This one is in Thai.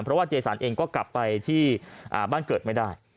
เพราะว่าเจสันเองก็กลับไปที่บ้านเกิดไม่ได้